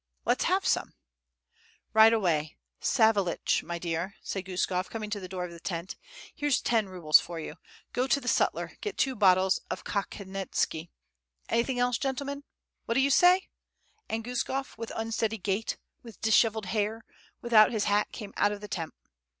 "Let's have some." "Right away. Savelitch, my dear," said Guskof, coming to the door of the tent, "here's ten rubles for you: go to the sutler, get two bottles of Kakhetinski. Anything else, gentlemen? What do you say?" and Guskof, with unsteady gait, with dishevelled hair, without his hat, came out of the tent.